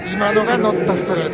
ノットストレート。